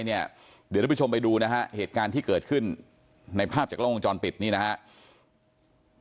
เดี๋ยวทุกผู้ชมไปดูนะฮะเหตุการณ์ที่เกิดขึ้นในภาพจากล้องวงจรปิดนี่นะครับ